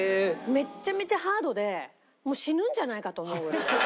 めちゃめちゃハードでもう死ぬんじゃないかと思うぐらい。